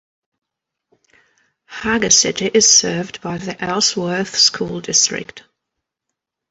Hager City is served by the Ellsworth School District.